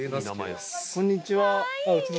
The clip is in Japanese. こんにちは。